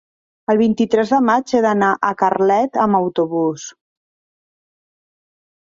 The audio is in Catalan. El vint-i-tres de maig he d'anar a Carlet amb autobús.